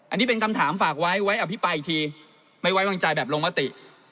อันนี้เป็นคำถามฝากไว้ไว้อภิปรายอีกทีไม่ไว้วางใจแบบลงมติ